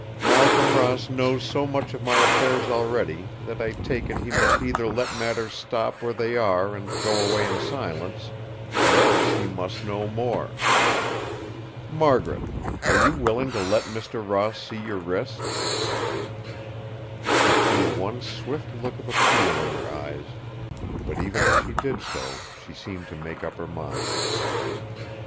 Malcolm Ross knows so much of my affairs already, that I take it he must either let matters stop where they are and go away in silence, or else he must know more. Margaret! are you willing to let Mr. Ross see your wrist?" She threw one swift look of appeal in his eyes; but even as she did so she seemed to make up her mind.